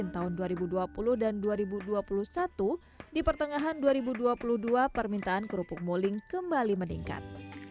tahun dua ribu dua puluh dan dua ribu dua puluh satu di pertengahan dua ribu dua puluh dua permintaan kerupuk muling kembali meningkat